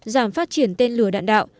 giảm phát triển tên lửa đạn đạo